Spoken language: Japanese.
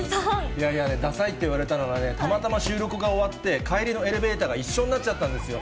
いやいや、ダサいって言われたのがね、たまたま収録が終わって、帰りのエレベーターが一緒になっちゃったんですよ。